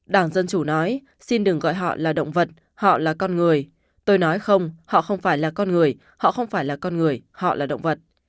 đảng dân chủ nói xin đừng gọi họ là động vật họ là con người tôi nói không họ không phải là con người họ không phải là con người họ là động vật